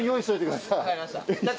分かりました。